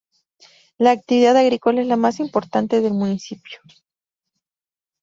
La actividad agrícola es la más importante del municipio.